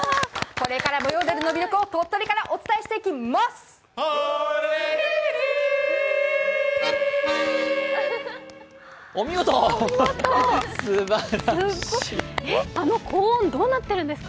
これからもヨーデルの流行を鳥取からお伝えしていきまっす！